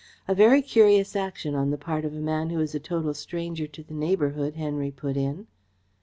"A very curious action on the part of a man who is a total stranger to the neighbourhood," Henry put in.